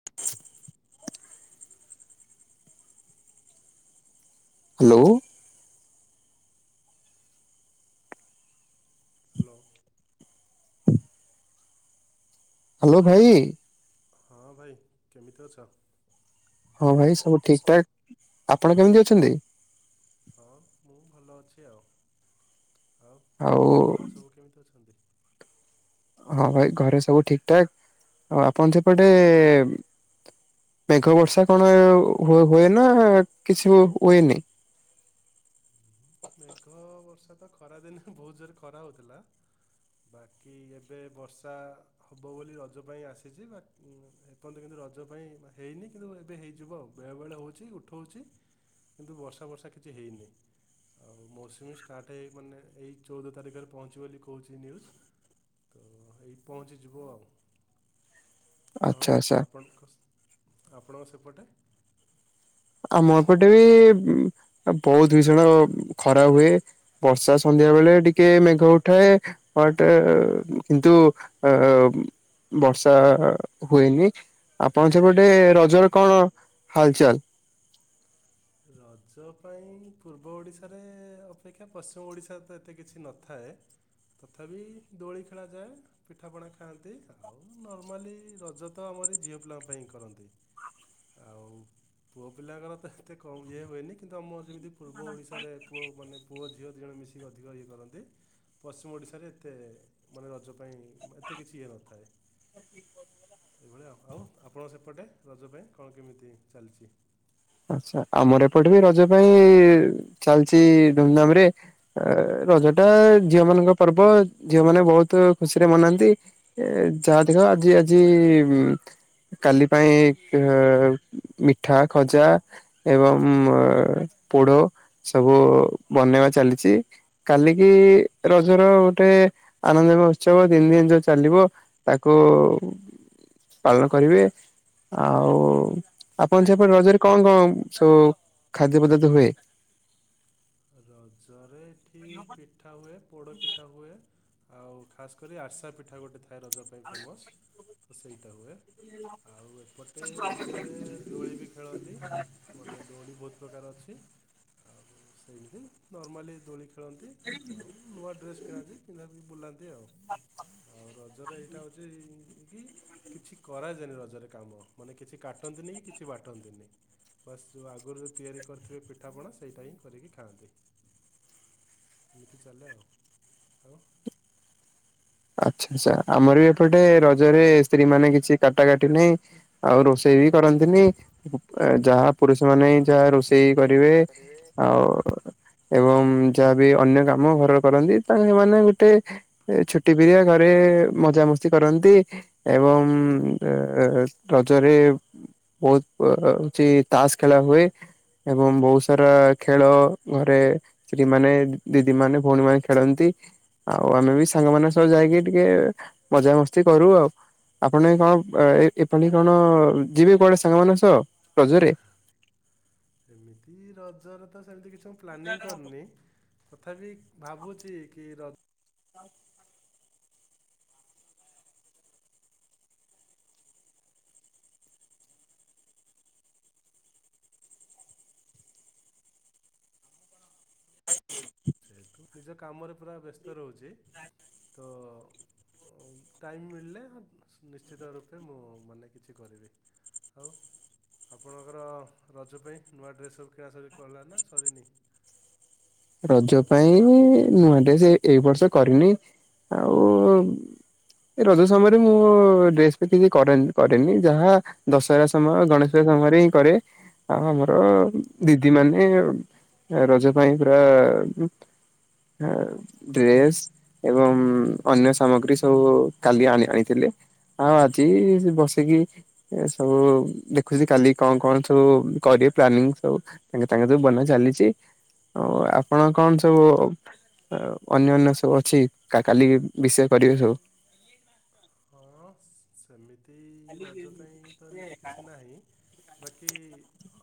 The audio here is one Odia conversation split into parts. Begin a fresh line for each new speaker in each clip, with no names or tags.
[inaudible] ହ୍ୟାଲୋ।
ହ୍ୟାଲୋ।
ହ୍ୟାଲୋ ଭାଇ।
ହଁ ଭାଇ, କେମିତି ଅଛ?
ହଁ ଭାଇ ସବୁ ଠିକ ଠାକ୍। ଆପଣ କେମିତି ଅଛନ୍ତି?
ହଁ। ମୁଁ ଭଲ ଅଛି ଆଉ। ଆଉ ଘରେ ସବୁ କେମିତି ଅଛନ୍ତି?
ହଁ ଭାଇ ଘରେ ସବୁ ଠିକ ଠାକ। ଆଉ ଆପଣ ସେପଟେ ମେଘ ବର୍ଷା କଣ ହୁଏ ନା କିଛି ହୁଏନି?
ମେଘ ବର୍ଷା ତ ଖରାଦିନେ ବହୁତ ଜୋରେ ଖରା ହଉଥିଲା। ବାକି ଏବେ ବର୍ଷା ହେବ ବୋଲି ରଜ ପାଇଁ ଆସିଛି। ବା ଏପର୍ଯ୍ୟନ୍ତ କିନ୍ତୁ ରଜ ପାଇଁ ହେଇନି, କିନ୍ତୁ ଏବେ ହେଇଯିବ ଆଉ। ବେଳେବେଳେ ହେଉଛି, ଉଠଉଛି। କିନ୍ତୁ ବର୍ଷା ବର୍ଷା କିଛି ହେଇନି। ଆଉ ମୌସୁମୀ ଷ୍ଟାର୍ଟ ହେଇ ମାନେ ଏଇ ଚଉଦ ତାରିଖରେ ପହଞ୍ଚିବ ବୋଲି କହୁଛି ନ୍ୟୁଜ୍। ତ ଏଇ ପହଞ୍ଚିଯିବ ଆଉ। ଆଉ
ଆଚ୍ଛା ଆଚ୍ଛା
ଆପଣଙ୍କ ସ୍ ଆପଣଙ୍କ ସେପଟେ
ଆମପଟେ ବି ବହୁତ ଭୀଷଣ ଖରା ହୁଏ। ବର୍ଷା ସନ୍ଧ୍ୟା ବେଳେ ଟିକେ ମେଘ ଉଠାଏ। ବଟ କିନ୍ତୁ ଅ ବର୍ଷା ହୁଏନି, ଆପଣ ସେପଟେ ରଜରେ କଣ ହାଲଚାଲ?
ରଜ ପାଇଁ ପୂର୍ବ ଓଡ଼ିଶାରେ ଅପେକ୍ଷା ପଶ୍ଚିମ ଓଡ଼ିଶାରେ ତ ଏତେ କିଛି ନଥାଏ ତଥାପି ଦୋଳି ଖେଳାଯାଏ ପିଠାପଣା ଖାଆନ୍ତି ଆଉ ନର୍ମାଲି ରଜ ତ ଆମରି ଝିଅ ପିଲାଙ୍କ ପାଇଁ କରନ୍ତି। ଆଉ ପୁଅ ପିଲାଙ୍କର ତ ଏତେ କମ ଇଏ ହୁଏନି କିନ୍ତୁ ଆମର ଯେମିତି ପୂର୍ବ ଓଡିଶାରେ ପୁଅ ମାନେ ପୁଅ ଝିଅ ଦି ଜଣ ମିଶିକି ଅଧିକ ଇଏ କରନ୍ତି। ପଶ୍ଚିମ ଓଡ଼ିଶାରେ ଏତେ ମାନେ ରଜ ପାଇଁ ଏତେ କିଛି ଇଏ ନଥାଏ। ଏଇଭଳିଆ ଆଉ ଆପଣ ସେପଟେ ରଜ ପାଇଁ କଣ କେମିତି ଚାଲିଚି?
ଆଛା ଆମର ଏପଟେ ବି ରଜ ପାଇଁ ଚାଲିଚି ଧୁମଧାମ୍ ରେ। ରଜ ଟା ଝିଅ ମାନଙ୍କ ପର୍ବ ଝିଅ ମାନେ ବହୁତ ଖୁସିରେ ମନାନ୍ତି। ଏ ଯା ଦେଖ ଆଜି ଆଜି କାଲି ପାଇଁ ମିଠା, ଖଜା ଏବଂ ପୋଢ଼ ସବୁ ବନେଇବା ଚାଲିଚି। କାଲିକି ରଜର ଗୋଟେ ଆନନ୍ଦ ମହୋତ୍ସବ ତିନି ଦିନ ଯୋଉ ଚାଲିବ ତାକୁ ପାଳନ କରିବେ ଆଉ ଆପଣ ସେପଟେ ରଜରେ କଣ କଣ ସବୁ ଖାଦ୍ୟ ପଦାର୍ଥ ହୁଏ?
ରଜରେ ଏଠି ପି ଠା ହୁଏ, ପୋଡ଼ ପିଠା ହୁଏ, ଆଉ ଖାସ୍ କରି ଆରସା ପିଠା ଗୋଟେ ଥାଏ ରଜ ପି ପାଇଁ ଫେମସ୍ ସେଇଟା ହୁଏ ଆଉ ଏପଟେ ରୋଜରେ ଦୋଳି ବି ଖେଳନ୍ତି ମାନେ ଦୋଳି ବହୁତ ପ୍ରକାର ଅଛି। ଆଉ ସେମିତି ନର୍ମାଲି ଦୋଳି ଖେଳନ୍ତି ଆଉ ନୂଆ ଡ୍ରେସ୍ କିଣାଯାଏ ପିନ୍ଧାପି ବୁଲାନ୍ତି ଆଉ। ଆଉ ରଜରେ ଏଇଟା ହୋଉଛି ଏ କି କିଛି କରାଯାଏନି ରଜରେ କାମ ମାନେ କିଛି କାଟନ୍ତିନି କି କିଛି ବାଟନ୍ତିନି। ବାସ୍ ଯୋଉ ଆଗରୁ ଯୋଉ ତିଆରି କରିଥିବେ ପିଠାପଣା ସେଇଟା ହିଁ କରିକି ଖାଆନ୍ତି। ଏମିତି ଚାଲେ ଆଉ ଆଉ।
ଆଚ୍ଛା ଆଚ୍ଛା ଆମର ବି ଏପଟେ ରଜରେ ସ୍ତ୍ରୀ ମାନେ କିଛି କାଟା କାଟି ନାହିଁ। ଆଉ ରୋଷେଇ ବି କରନ୍ତିନି ଯାହା ପୁରୁଷ ମାନେ ଯାହା ରୋଷେଇ କରିବେ ଆଉ ଏବଂ ଯାହାବି ଅନ୍ୟ କାମ ଘରର କରନ୍ତି ତା ସେମାନେ ଗୋଟେ ଛୁ ଟିଭିିରେ ଘରେ ମଜାମସ୍ତି କରନ୍ତି। ଏବଂ ରଜରେ ବହୁତ ହୋଉଛି ତାସ ଖେଳା ହୁଏ ଏବଂ ବହୁତ ସାରା ଖେଳ ଘରେ ସେଠିମାନେ ଦିଦି ମାନେ ଭଉଣୀ ମାନେ ଖେଳନ୍ତି ଆଉ ଆମେ ବି ସାଙ୍ଗମାନେ ସବୁ ଯାଇକି ଟିକେ ମଜାମସ୍ତି କରୁ ଆଉ। ଆପଣ କଣ ଏପଣ୍ଡି କଣ ଯିବେ କୁଆଡ଼େ ସାଙ୍ଗ ମାନଙ୍କ ସହ ରଜରେ?
ଏମିତି ରଜରେ ତ ସେମିତି କିଛି ମୁଁ ପ୍ଲାନିଂ କରିନି ତଥାପି ଭାବୁଛି କି ରଜ
[inaudible]
ସେଠୁ ନିଜ କାମରେ ପୁରା ବ୍ୟସ୍ତ ରହୁଛି ତ ଟାଇମ୍ ମିଳିଲେ ନିଶ୍ଚିତ ରୂପେ ମୁଁ ମାନେ କିଛି କରିବି। ଆଉ ଆପଣଙ୍କର ରଜ ପାଇଁ ନୂଆ ଡ୍ରେସ୍ ସବୁ କିଣା [unintelligible] ନା ସରିନି?
ରଜ ପାଇଁ ନୂଆ ଡ୍ରେସ ଏଇ ବର୍ଷ କରିନି ଆଉ ଏ ରଜ ସମୟରେ ମୁଁ ଡ୍ରେସ୍ [unintelligible] କରେନି କରେନି ଯାହା ଦଶହରା ସମୟ ଗଣେଶ ସମୟରେ ହିଁ କରେ ଆଉ ଆମର ଦିଦି ମାନେ ରଜ ପାଇଁ ପୁରା [unintelligible] ଡ୍ରେସ୍ ଏବଂ ଅନ୍ୟ ସାମଗ୍ରୀ ସବୁ କାଲି ଆଣି ଆଇଥିଲେ। ଆଉ ଆଜି ବସିକି ଏ ସବୁ ଦେଖୁଛି କାଲି କଣ କଣ ସବୁ କରିବେ ପ୍ଲାନିଂ ସବୁ? ତାଙ୍କେ ତାଙ୍କେ ଯୋଉ ବନା ଚାଲିଛି। ହଉ ଆପଣ କଣ ସବୁ ଆଉ ଅନ୍ୟାନ ସବୁ ଅଛି କା କାଲି ବିଷୟ କରିବେ ସବୁ।
ହଁ ସେମିତି ରଜ ତାଇଁ ତ ଏମିତି କିଛି ନାହିଁ। ବାକି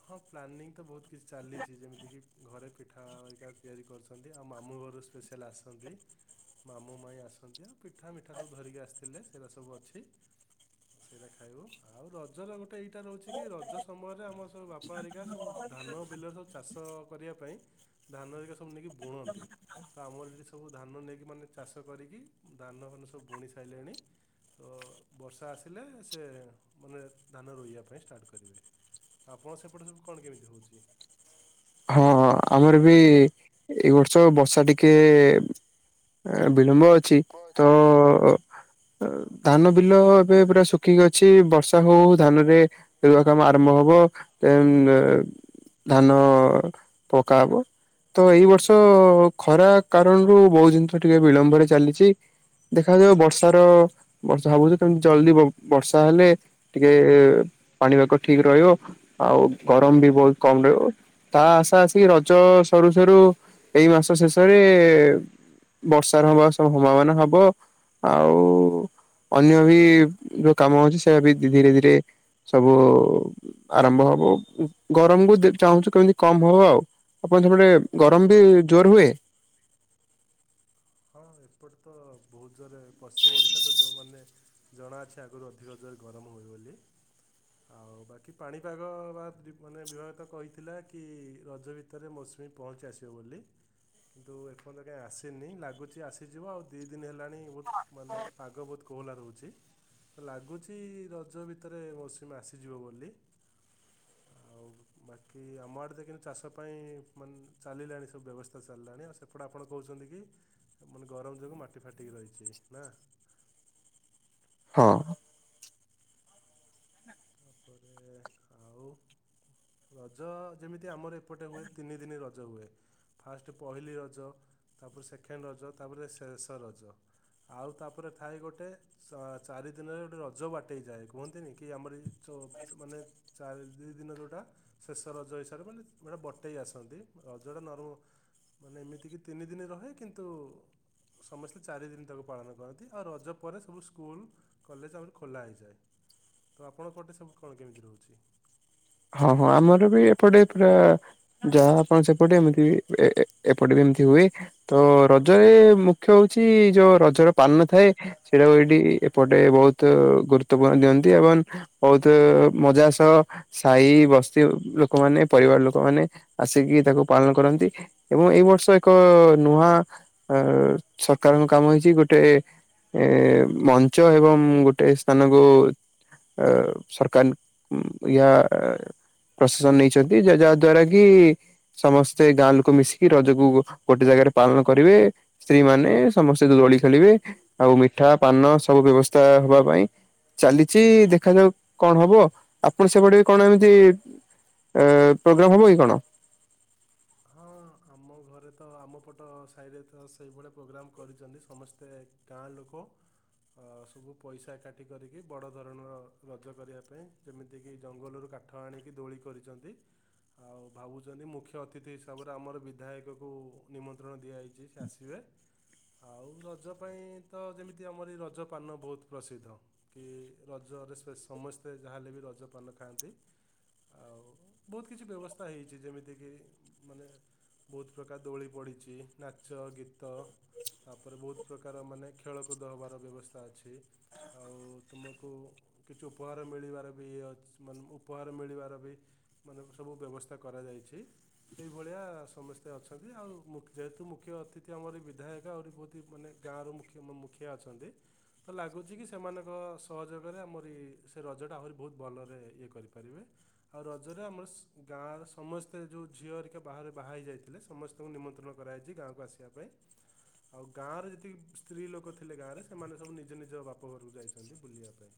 ହଁ ପ୍ଲାନିଂ ତ ବହୁତ କିଛି ଚାଲିଛି ଯେମିତି କିି ଘରେ ପିଠା ବିକା ତିଆରି କରୁଛନ୍ତି ଆଉ ମାମୁଁ ଘରୁ ସ୍ପେସିଆଲ ଆସନ୍ତି ମାମୁଁ ମାଇଁ ଆସନ୍ତି ଆଉ ପିଠା ମିଠା ସବୁ ଧରିକି ଆସ ଥିଲେ ସେରା ସବୁ ଅଛି ସେରା ଖାଇବୁ ଆ ଆଉ ରଜ ର ଗୋଟେ ଏଇଟା ରହୁଛି କି ରଜ ସମୟରେ ଆମର ସବୁ ବାପାହେରିକା ସବୁ ଧାନ ବିଲରେ ସବୁ ଚାଷ ସ କରିବାପାଇଁ ଧାନ ହେରିକା ସବୁ ନେଇକି ବୁଣନ୍ତି [unintelligible] ସବୁ ଧାନ ନେଇକି ମାନେ ଚାଷ କରିକି ଧାନ ମାନ ସବୁ ବୁଣି ସାରିଲେଣି। ତ ବର୍ଷା ଆସିଲେ ସେ ମାନେ ଧାନ ରୋଇବା ପାଇଁ ଷ୍ଟାର୍ଟ କରିବେ। ଆପଣ ସେପଟେ ସବୁ କଣ କେମିତି ହେଉଛି?
ହଁ ଆମର ବି ଏ ବର୍ଷ ବର୍ଷା ଟିକେ ବିଳମ୍ବ ଅଛି ତ
ଅଛି
ଧାନ ବିଲ ଏବେ ପୁରା ଶୁଖିକି ଅଛି ବର୍ଷା ହଉ ହଉ ଧାନରେ [unintelligible] କାମ ଆରମ୍ଭ ହବ [unintelligible] ଧାନ। ପକା ହବ। ତ ଏଇ ବର୍ଷ ଖରା କାରଣରୁ ବୋଉ ଜିନିଷ ଟିକେ ବିଳମ୍ବରେ ଚାଲିଛି। ଦେଖାଯାଉ ବର୍ଷାର ବର୍ଷା ଭାବୁଛି କେମତି ଜଲଦି ବର୍ଷା ହେଲେ ଟିକେ ପାଣିପାଗ ଠିକ୍ ରହିବ ଆଉ ଗରମ ବି ବହୁତ କମ୍ ରହିବ। ତା ଆଶା ଆସିକି ରଜ ସରୁ ସରୁ ଏଇ ମାସ ଶେଷରେ ବର୍ଷାର ବା ସବୁ ହବା ମାନେ ହବ। ଆଉ ଅନ୍ୟ ବି ଯୋଉ କାମ ଅଛି ସେଆ ବି ଧୀରେ ଧୀରେ ସବୁ ଆରମ୍ଭ ହବ ଗରମକୁ ଚାହୁଁଛୁ କେମିତି? କମ ଭବ ଆଉ ଆପଣ ସେପରେ ଗରମ ବି ଜୋର ହୁଏ?
ହଁ ଏପଟେ ତ ବହୁତ ଜୋରେ ପଶ୍ଚିମ ଓଡ଼ିଶା ତ ଯୋଉମାନେ ଜଣା ଅଛି ଆଗରୁ ଅଧିକ ଜୋରେ ଗରମ ହୁଏ ବୋଲି। ଆଉ ବାକି ପାଣିପାଗ ବା ମାନେ ବିଭାଗ ତ କହିଥିଲା କି ରଜ ଭି ତରେ ମୌସୁମୀ ପହଞ୍ଚି ଆସିବ ବୋଲି କିନ୍ତୁ ଏପର୍ଯ୍ୟନ୍ତ କାଇଁ ଆଶିନି ଲା ଗୁଛି ଆସିଯିବ ଆଉ ଦି ଦିନ ହେଲାଣି ବହୁତ୍ ମାନେ ପାଗ ବହୁତ କୋହଲା ରହୁଛି। ତ ଲାଗୁଛି ରଜ ଭିତରେ ମୌସୁମୀ ଆସିଯିବ ବୋଲି? ଆଉ ବାକି ଆମ ଆଡ଼େ ତ କିନ୍ତୁ ଚାଷ ପାଇଁ ମାନ ଚାଲିଲାଣି ସବୁ ବ୍ୟବସ୍ଥା ଚାଲିଲାଣି। ସେପଟେ ଆପଣ କହୁଛନ୍ତି କି ମାନେ ଗରମ ଯୋଗୁଁ ମାଟି ଫାଟିକି ରହିଛି ନା?
ହଁ।
ବୋଧେ ଆଉ [inaudible] ରଜ ଯେମିତି ଆମର ଏପଟ ହୁଏ ତିନି ଦିନି ର ରଜ ହୁଏ। ଫାଷ୍ଟ ପହିଲି ରଜ, ତାପରେ ସେକେଣ୍ଡ ରଜ, ତାପରେ ଶେଷ ରଜ। ଆଉ ତାପରେ ଥାଏ ଗୋଟେ ସ ଚାରି ଦିନରେ ଗୋଟେ ରଜ ବାଟେଇ ଯାଏ କୁହନ୍ତିନି କି ଆମର ଯେମିତି ଚ ସେମାନେ ଚାରି ଦୁଇ ଦିନ ଯେଉଁଟା [inaudible] ଶେଷ ରଜ ହିସାବରେ ଗୋଟେ ବଟେଇ ଆସନ୍ତି ରଜଟା ନର୍ମ। ମାନେ ଏମିତିକି ତିନି ଦିନି ରହେ କିନ୍ତୁ ସମସ୍ତେ ଚାରିଦିନ ତାକୁ ପାଳନ କରନ୍ତି। ଆଉ ରଜ ପରେ ସବୁ ସ୍କୁଲ କଲେଜ ଆମରି ଖୋଲା ହେଇଯାଏ। ତ ଆପଣଙ୍କ ପଟେ ସବୁ କଣ କେମିତି ରହୁଛି?
ହଁ। ହଁ। ଆମର ବି ଏପଟେ ପୁରା ଯାହା ଆପଣ ସେପଟେ ଏମିତି ବି ଏପଟେ ଏ ଏ ଏପଟେ ବି ଏମିତି ହୁଏ। ତ ରଜରେ ମୁଖ୍ୟ ହଉଛି ଯୋଉ ରଜର ପାନ ଥାଏ। ସେଇଟାକୁ ଏଇଠି ଏପଟେ ବହୁତ ଗୁରୁତ୍ୱପୂର୍ଣ ଦିଅନ୍ତି। ଏବଂ ବହୁତ ମଜା ସହ ସାହି ବସ୍ତି ଲୋକମାନେ ପରିବାର ଲୋକମାନେ ଆସିକି ତାକୁ ପାଳନ କରନ୍ତି। ଏବଂ ଏଇ ବର୍ଷ ଏକ ଅ ଅ ନୂଆ [inaudible] ଅ - ଅ ସକାରଙ୍କ କାମ ହେଇଛି ଗୋଟେ ଏ- ଏ ମଞ୍ଚ ଏବଂ ଗୋଟେ ସ୍ଥାନକୁ ଆ - ଆ ସରକାନ୍ [inaudible] ଉଁ ଇ ଆ ଆ ପ୍ରସନ ନେଇଛନ୍ତି ଯ ଯାହା ଦ୍ଵାରା କି ସମସ୍ତେ ଗାଁ ଲୋକ ମିଶିକି ରଜକୁ ଗ ଗୋଟେ ଜାଗାରେ ପାଳନ କରିବେ। ସ୍ତ୍ରୀ ମାନେ ସମସ୍ତେ ଦୋଳି ଖେଳିବେ। [inaudible] ଆଉ ମିଠା ପାନ ସବୁ ବ୍ୟବସ୍ଥା ହବା ପାଇଁ ଚାଲିଛି ଦେଖାଯାଉ [inaudible] କଣ ହବ। ଆପଣ ସେପଟେ କଣ ଏମିତି ଇ - ଇ [inaudible] ଏ ଏ ପଗ୍ରାମ ହବ କି କଣ?
ହଁ ଆମ ଘରେ ତ ଆମ ପଟ ସାହିରେ ତ ସେଇଭଳିଆ ପ୍ରୋଗ୍ରାମ କରିଛନ୍ତି। ସମସ୍ତେ ଗାଁ ଲୋକ ଆ ସବୁ ପଇସା କାଠି କରିକି ବଡ଼ ଧରଣର ରଜ କରିବା ପାଇଁ ଯେମିତିକି ଜଙ୍ଗଲରୁ କାଠ ଆଣିକି ଦୋଳି କରିଛନ୍ତି। [inaudible] ଆଉ ଭାବୁଛନ୍ତି ମୁଖ୍ୟ ଅତି ସ୍ଥିତି ହିସାବରେ ଆମର ବିଧାୟକ ଙ୍କୁ ନିମନ୍ତ୍ରଣ ଦିଆଯାଇଛି। ସେ ଆସିବେ। ଆଉ ରଜ ପାଇଁ ତ ଯେମିତି ଆମର ଏ ରଜପାନ ବହୁତ ପ୍ରସିଦ୍ଧ। କି ରଜରେ ସେ ସମସ୍ତେ ଯାହାହେଲେ ବି ରଜପାନ ଖାଆନ୍ତି। ଆଉ ବହୁତ କିଛି ବ୍ୟବସ୍ଥା ହେଇଛି। ଯେମିତି କିି ମାନେ ବହୁତ ପ୍ରକାର ଦୋଳି ପଡ଼ିଛି ନାଚ ଗୀତ ତାପରେ ବହୁତ ପ୍ରକାର ମାନେ ଖେଳକୁଦ ହେବାର ବ୍ୟବସ୍ଥା ଅଛି। ଆଉ ତୁମକୁ କିଛି ଉପହାର ମିଳିବାର ବି ଅ ମାନେ ଉପହାର ମିଳିବାର ବି ମାନେ ସବୁ ବ୍ୟବସ୍ଥା କରାଯାଇଛି। ଏଇଭଳିଆ ସମସ୍ତେ ଅଛନ୍ତି ଆଉ ମୂ ଯେହେତୁ ମୁଖ୍ୟ ଅତିଥି ଆମର ଏ ବିଧାୟକ ଆହୁରି ବହୁତ ମାନେ ଗାଁର ମୁଖ୍ୟ ମୁଖିଆ ଅଛନ୍ତି ତ ଲାଗୁଛି କି ସେମାନଙ୍କ ସହଯୋଗରେ ଆମରି ସେ ରଜଟା ଆହୁରି ବହୁତ ଭଲରେ ଇଏ କରିପାରିବେ। ଆଉ ରଜରେ ଆମର ଶ୍ ଗାଁର ସମସ୍ତେ ଯୋଉ ଝିଅ ହେରିକା ବାହାରେ ବାହା ହୋଇଯାଇଥିଲେ। ସମସ୍ତଙ୍କୁ ନିମନ୍ତ୍ରଣ କରାଯାଇଛି ଗାଁକୁ ଆସିବା ପାଇଁ। ଆଉ ଗାଁରେ ଯେତିକି ସ୍ତ୍ରୀ ଲୋକ ଥିଲେ ଗାଁ ରେ ସେମାନେ ସବୁ ନିଜ ନିଜ ବାପ ଘରକୁ ଯାଇଛନ୍ତି ବୁଲିବା ପାଇଁ।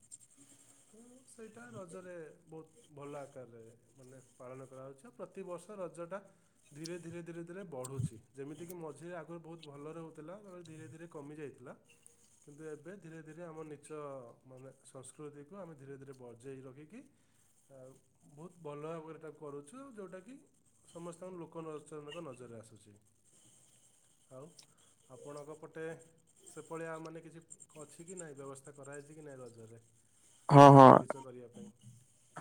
ତ ସେଇଟା ରଜରେ ବହୁତ ଭଲ ଆକାରରେ ମାନେ ପାଳନ କରାହେଉଛି ଆଉ ପ୍ରତିବର୍ଷ ରଜଟା ଧୀରେ ଧୀରେ ଧୀରେ ଧୀରେ ବଢୁଛି ଯେମିତିକି ମଝିରେ ଆଗରୁ ବହୁତ ଭଲରେ ହଉଥିଲା ତାରେ ଧୀରେ ଧୀରେ କମି ଯାଇଥିଲା। କିନ୍ତୁ ଏବେ ଧୀରେ ଧୀରେ ଆମ ନିଚ ମାନେ ସଂସ୍କୃତିକୁ ଆମେ ଧୀରେ ଧୀରେ ବଜେଇ ରଖିକି ଆଉ ବହୁତ ଭଲ ଭାବରେ ତାକୁ କରୁଛୁ ଯଉଟାକି ସମସ୍ତଙ୍କ ଲୋକ ଲୋଚନରେ ନଜର ଆସୁଛି। ଆଉ ଆପଣଙ୍କ ପଟେ? ସେପଳିଆ ଆଉ ମାନେ କିଛି ଅଛି କି ନାହିଁ ବ୍ୟବସ୍ଥା କରାହାଇଛି କି ନାଇଁ ରଜରେ?
ହଁ
ମାନେ
ହଁ
ନାଚ ଗୀଚ କରିବା ପାଇଁ।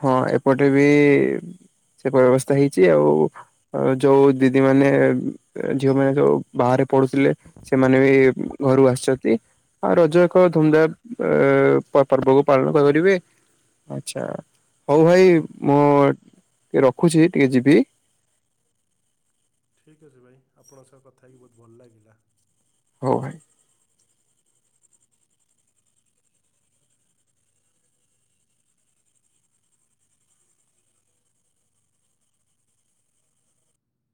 ହଁ ଏପଟେ ବି ସେ ବ୍ୟବସ୍ଥା ହେଇଛି ଆଉ ଯୋଉ ଦିଦି ମାନେ ଝିଅ ମାନେ ଯୋଉ ବାହାରେ ପଢୁଥିଲେ ସେମାନେ ବି ଘରୁ ଆସିଛନ୍ତି ଆଉ ର ଜେ ଏକ ଧୁମଧାମ ପର୍ବକୁ ପାଳନ କରିବେ ଆଛା। ହଉ ଭାଇ ମୁଁ ଟିକେ ରଖୁଛି ଟିକେ ଯିବି
ଠିକ୍ ଅଛି ଭାଇ ଆପଣଙ୍କ ସହ କଥା ହେଇକି ବହୁତ ଭଲ ଲାଗିଲା।
ହଉ ଭାଇ।